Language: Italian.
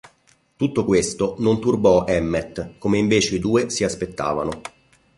Tutto questo non turbò Emmett, come invece i due si aspettavano.